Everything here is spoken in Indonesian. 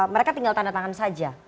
mereka tinggal tanda tangan saja